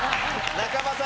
仲間さん。